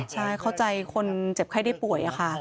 ใช่เข้าใจคนเจ็บไข้ได้ป่วยค่ะ